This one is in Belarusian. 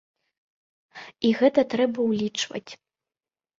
І гэта трэба ўлічваць.